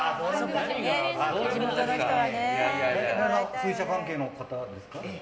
水車関係の方ですか。